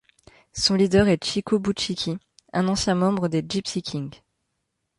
Son leader est Chico Bouchikhi, un ancien membre des Gipsy Kings.